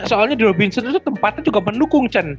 soalnya di robinson itu tempatnya juga mendukung chen